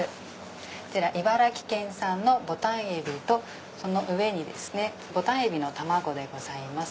こちら茨城県産のボタンエビとその上にボタンエビの卵でございます。